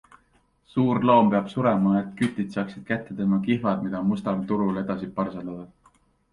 Suur loom peab surema, et kütid saaksid kätte tema kihvad, mida mustal turul edasi parseldada.